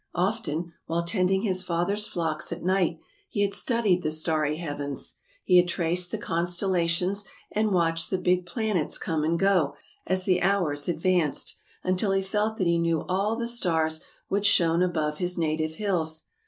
Often, while tending his father^s flocks at night, he had studied the starry heavens. He had traced the constellations and watched the big planets come and go, as the hours ad vanced, until he felt that he knew all the stars which shone above his native hills.